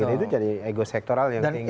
itu jadi ego sektoral yang diinginkan